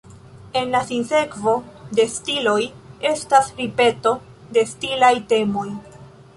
En la sinsekvo de stiloj, estas ripeto de stilaj temoj.